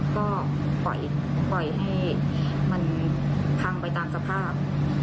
ก็ปล่อยให้มันพังไปตามสภาพ